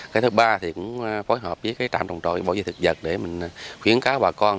cái thứ ba phối hợp với trạm trồng trội bỏ dây thực vật để khuyến cáo bà con